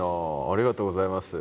ありがとうございます。